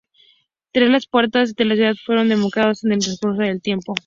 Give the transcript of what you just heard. Tres de las puertas de la ciudad fueron demolidos en el transcurso del tiempo.